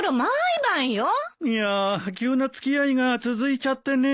いやあ急な付き合いが続いちゃってねえ。